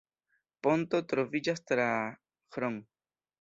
Ponto troviĝas tra Hron.